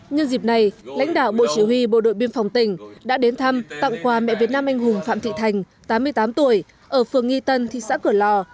nhân dịp này lãnh đạo bộ chỉ huy bộ đội biên phòng tỉnh đã đến thăm tặng quà mẹ việt nam anh hùng phạm thị thành tám mươi tám tuổi ở phường nghi tân thị xã cửa lò